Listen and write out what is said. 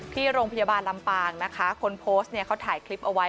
ที่โรงพยาบาลลำปางนะคะคนโพสต์เนี่ยเขาถ่ายคลิปเอาไว้